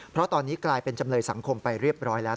เพราะตอนนี้กลายเป็นจำเลยสังคมไปเรียบร้อยแล้ว